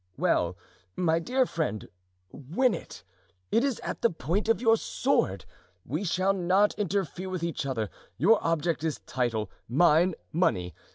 "Well, my dear friend, win it—it is at the point of your sword. We shall not interfere with each other—your object is a title; mine, money.